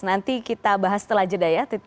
nanti kita bahas setelah jeda ya